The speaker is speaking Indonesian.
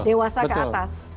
dewasa ke atas